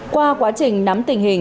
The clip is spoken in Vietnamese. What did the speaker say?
qua quá trình nắm tình hình